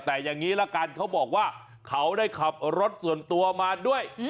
แต่อย่างนี้ละกันเขาบอกว่าเขาได้ขับรถส่วนตัวมาด้วย